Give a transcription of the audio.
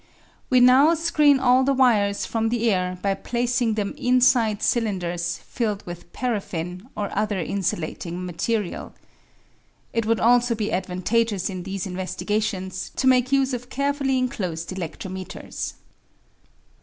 We now screen all the wires from the air by placing them inside cylinders filled with paraffin or other insulating material. It would also be advantageous in these investigations to make use of carefully enclosed eledrometers.